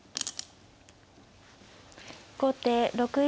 後手６一